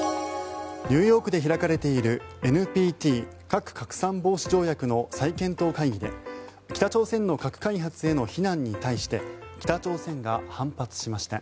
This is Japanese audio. ニューヨークで開かれているＮＰＴ・核拡散防止条約の再検討会議で北朝鮮の核開発への非難に対して北朝鮮が反発しました。